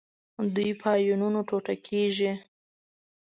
دوی په آیونونو ټوټه کیږي.